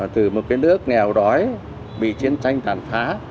từ một cái nước nghèo đói bị chiến tranh tàn phá